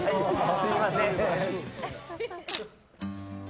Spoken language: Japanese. すみません。